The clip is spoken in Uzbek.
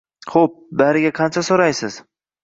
– Xo‘p, bariga qancha so‘raysiz?